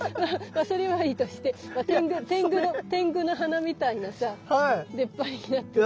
まあそれはいいとして天狗の鼻みたいなさ出っ張りになってるよ。